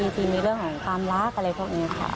ทีมีเรื่องของความรักอะไรพวกนี้ค่ะ